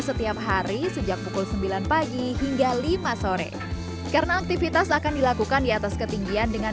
setiap hari sejak pukul sembilan pagi hingga lima sore karena aktivitas akan dilakukan di atas ketinggian dengan